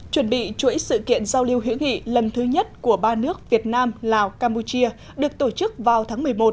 chuẩn bị chuỗi sự kiện giao lưu hữu nghị lần thứ nhất của ba nước việt nam lào campuchia được tổ chức vào tháng một mươi một